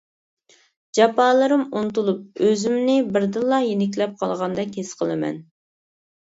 جاپالىرىم ئۇنتۇلۇپ ئۆزۈمنى بىردىنلا يېنىكلەپ قالغاندەك ھېس قىلىمەن.